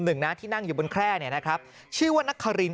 หนึ่งนะที่นั่งอยู่บนแคร่เนี่ยนะครับชื่อว่านักคาริน